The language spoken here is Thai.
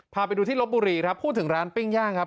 พาไปดูที่ลบบุรีครับพูดถึงร้านปิ้งย่างครับ